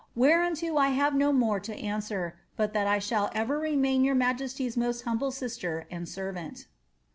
Whereunto I have no more to answer, but that I shall ever remain your majesty most bumble tisier and servant.